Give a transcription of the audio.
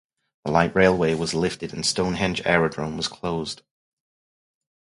The light railway was lifted and Stonehenge Aerodrome was closed.